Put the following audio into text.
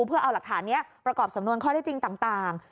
เพื่อเอาหลักฐานนี้ประกอบสำนวนข้อได้จริงต่าง